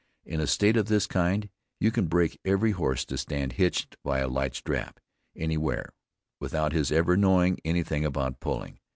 In a state of this kind you can break every horse to stand hitched by a light strap, any where, without his ever knowing any thing about pulling.